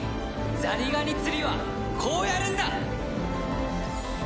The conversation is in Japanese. ザリガニ釣りはこうやるんだ！